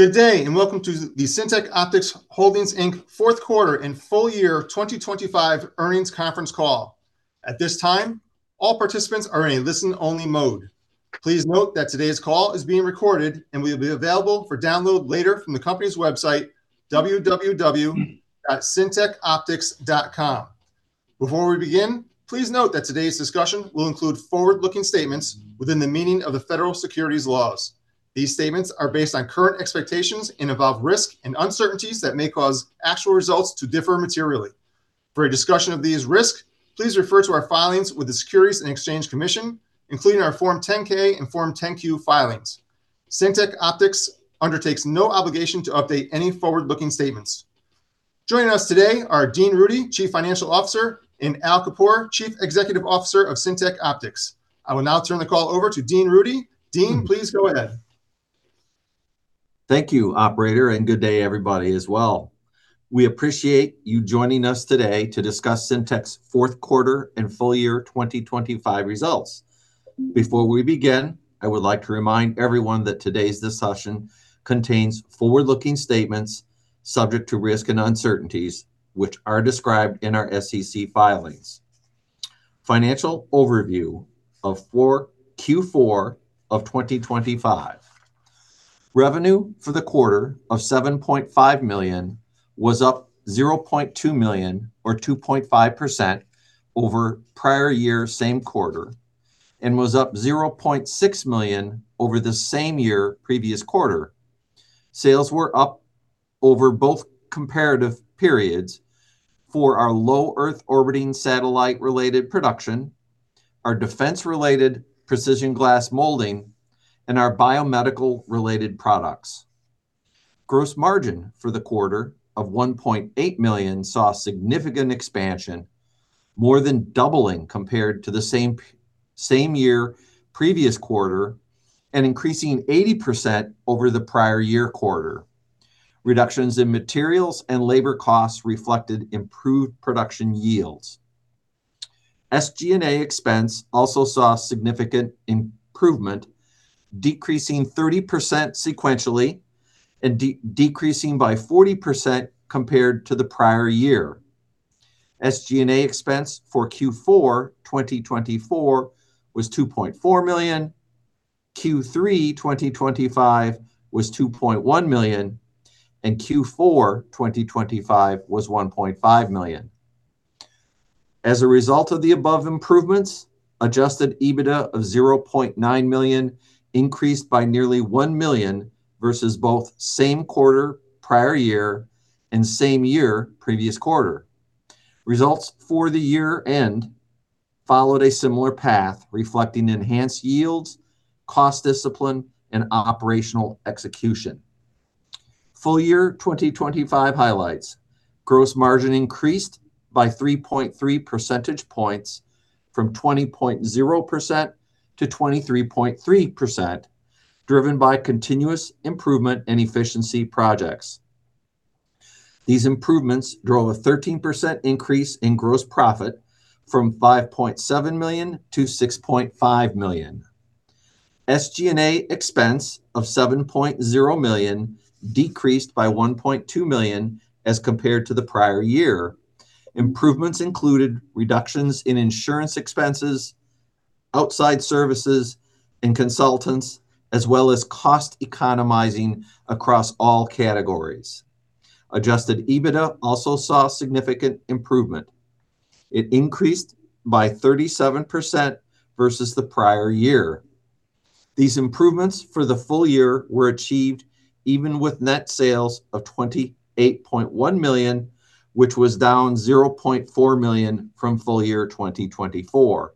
Good day, and welcome to the Syntec Optics Holdings, Inc. fourth quarter and full year 2025 earnings conference call. At this time, all participants are in a listen-only mode. Please note that today's call is being recorded and will be available for download later from the company's website, www.syntecoptics.com. Before we begin, please note that today's discussion will include forward-looking statements within the meaning of the federal securities laws. These statements are based on current expectations and involve risk and uncertainties that may cause actual results to differ materially. For a discussion of these risks, please refer to our filings with the Securities and Exchange Commission, including our Form 10-K and Form 10-Q filings. Syntec Optics undertakes no obligation to update any forward-looking statements. Joining us today are Dean Rudy, Chief Financial Officer, and Al Kapoor, Chief Executive Officer of Syntec Optics. I will now turn the call over to Dean Rudy. Dean, please go ahead. Thank you, operator, and good day everybody as well. We appreciate you joining us today to discuss Syntec's fourth quarter and full year 2025 results. Before we begin, I would like to remind everyone that today's discussion contains forward-looking statements subject to risk and uncertainties, which are described in our SEC filings. Financial overview of Q4 of 2025. Revenue for the quarter of $7.5 million was up $0.2 million or 2.5% over prior year same quarter and was up $0.6 million over the same year previous quarter. Sales were up over both comparative periods for our low Earth orbiting satellite-related production, our defense-related precision glass molding, and our biomedical-related products. Gross margin for the quarter of $1.8 million saw significant expansion, more than doubling compared to the same year previous quarter and increasing 80% over the prior year quarter. Reductions in materials and labor costs reflected improved production yields. SG&A expense also saw significant improvement, decreasing 30% sequentially and decreasing by 40% compared to the prior year. SG&A expense for Q4 2024 was $2.4 million, Q3 2025 was $2.1 million, and Q4 2025 was $1.5 million. As a result of the above improvements, Adjusted EBITDA of $0.9 million increased by nearly $1 million versus both same quarter prior year and same year previous quarter. Results for the year-end followed a similar path, reflecting enhanced yields, cost discipline, and operational execution. Full year 2025 highlights. Gross margin increased by 3.3 percentage points from 20.0% to 23.3%, driven by continuous improvement and efficiency projects. These improvements drove a 13% increase in gross profit from $5.7 million to $6.5 million. SG&A expense of $7.0 million decreased by $1.2 million as compared to the prior year. Improvements included reductions in insurance expenses, outside services and consultants, as well as cost economizing across all categories. Adjusted EBITDA also saw significant improvement. It increased by 37% versus the prior year. These improvements for the full year were achieved even with net sales of $28.1 million, which was down $0.4 million from full year 2024.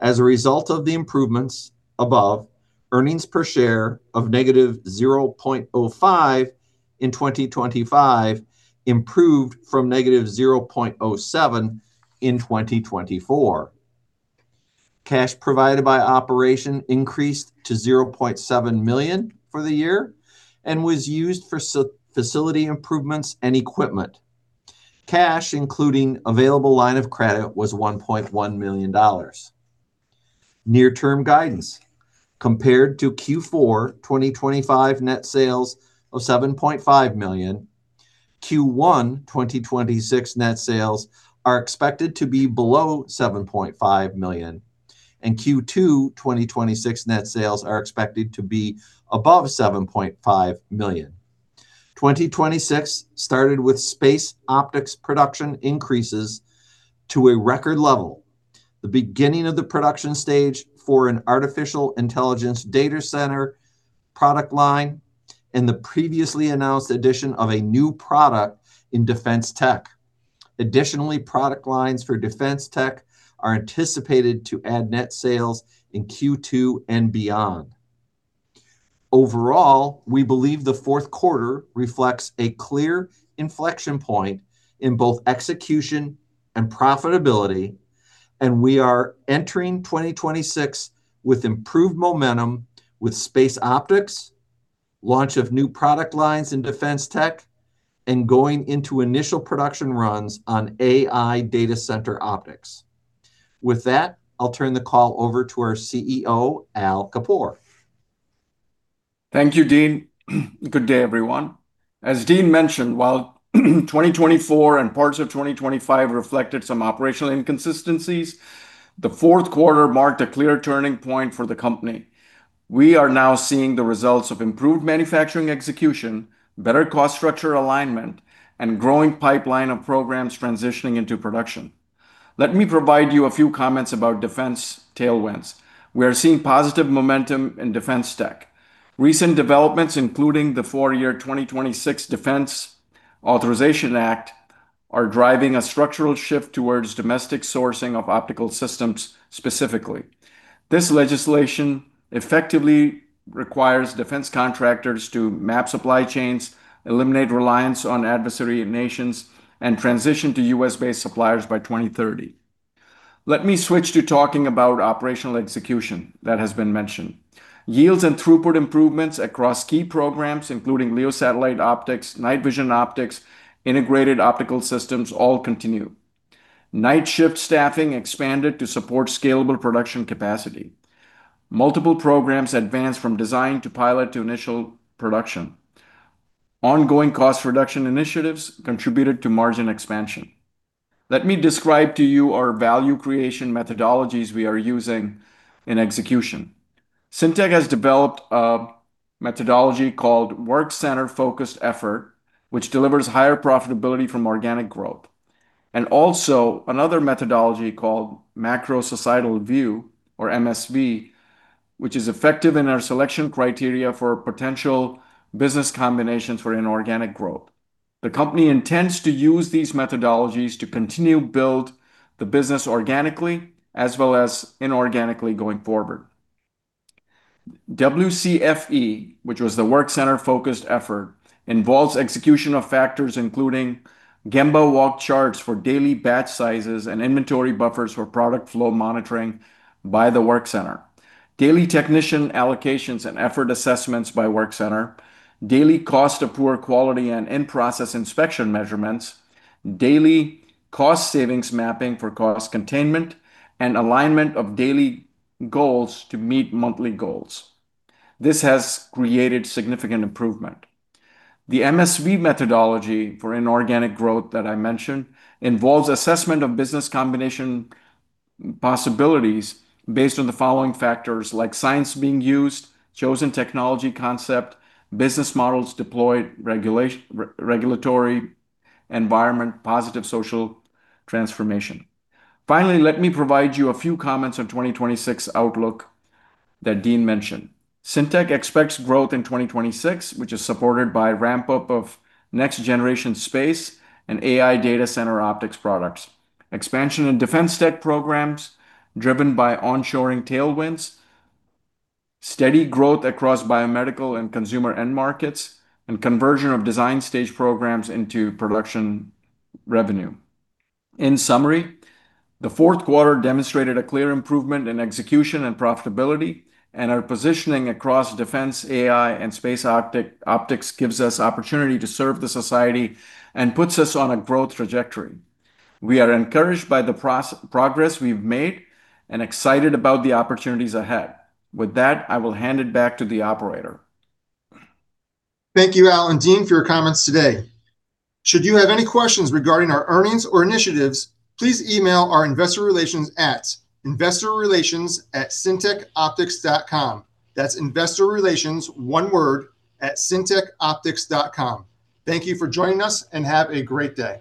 As a result of the improvements above, earnings per share of -0.05 in 2025 improved from -0.07 in 2024. Cash provided by operations increased to $0.7 million for the year and was used for facility improvements and equipment. Cash, including available line of credit, was $1.1 million. Near-term guidance. Compared to Q4 2025 net sales of $7.5 million, Q1 2026 net sales are expected to be below $7.5 million, and Q2 2026 net sales are expected to be above $7.5 million. 2026 started with space optics production increases to a record level, the beginning of the production stage for an artificial intelligence data center product line, and the previously announced addition of a new product in defense tech. Additionally, product lines for defense tech are anticipated to add net sales in Q2 and beyond. Overall, we believe the fourth quarter reflects a clear inflection point in both execution and profitability, and we are entering 2026 with improved momentum with space optics, launch of new product lines in defense tech, and going into initial production runs on AI data center optics. With that, I'll turn the call over to our CEO, Al Kapoor. Thank you, Dean. Good day, everyone. As Dean mentioned, while 2024 and parts of 2025 reflected some operational inconsistencies, the fourth quarter marked a clear turning point for the company. We are now seeing the results of improved manufacturing execution, better cost structure alignment, and growing pipeline of programs transitioning into production. Let me provide you a few comments about defense tailwinds. We are seeing positive momentum in defense tech. Recent developments, including the four-year 2026 Defense Authorization Act, are driving a structural shift towards domestic sourcing of optical systems specifically. This legislation effectively requires defense contractors to map supply chains, eliminate reliance on adversary nations, and transition to U.S.-based suppliers by 2030. Let me switch to talking about operational execution that has been mentioned. Yields and throughput improvements across key programs, including LEO satellite optics, night vision optics, integrated optical systems, all continue. Night shift staffing expanded to support scalable production capacity. Multiple programs advanced from design to pilot to initial production. Ongoing cost reduction initiatives contributed to margin expansion. Let me describe to you our value creation methodologies we are using in execution. Syntec has developed a methodology called Work Center Focused Effort, which delivers higher profitability from organic growth. Also another methodology called Macro Societal View or MSV, which is effective in our selection criteria for potential business combinations for inorganic growth. The company intends to use these methodologies to continue build the business organically as well as inorganically going forward. WCFE, which was the Work Center Focused Effort, involves execution of factors including Gemba walk charts for daily batch sizes and inventory buffers for product flow monitoring by the work center, daily technician allocations and effort assessments by work center, daily cost of poor quality and in-process inspection measurements, daily cost savings mapping for cost containment, and alignment of daily goals to meet monthly goals. This has created significant improvement. The MSV methodology for inorganic growth that I mentioned involves assessment of business combination possibilities based on the following factors, like science being used, chosen technology concept, business models deployed, regulatory environment, positive social transformation. Finally, let me provide you a few comments on 2026 outlook that Dean mentioned. Syntec expects growth in 2026, which is supported by ramp-up of next generation space and AI data center optics products, expansion in defense tech programs driven by onshoring tailwinds, steady growth across biomedical and consumer end markets, and conversion of design stage programs into production revenue. In summary, the fourth quarter demonstrated a clear improvement in execution and profitability, and our positioning across defense, AI, and space optics gives us opportunity to serve the society and puts us on a growth trajectory. We are encouraged by the progress we've made and excited about the opportunities ahead. With that, I will hand it back to the operator. Thank you, Al and Dean, for your comments today. Should you have any questions regarding our earnings or initiatives, please email our investor relations at investorrelations@syntecoptics.com. That's investorrelations, one word, @syntecoptics.com. Thank you for joining us, and have a great day.